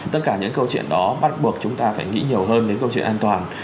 tất cả những câu chuyện đó bắt buộc chúng ta phải nghĩ nhiều hơn đến câu chuyện an toàn